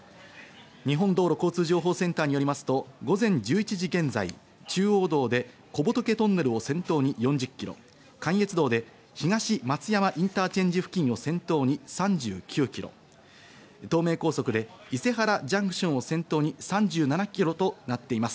日本道路交通情報センターによりますと午前１１時現在、中央道で小仏トンネルを先頭に４０ｋｍ、関越道で東松山インターチェンジ付近を先頭に３９ｋｍ、東名高速で伊勢原ジャンクションを先頭に３７ｋｍとなっています。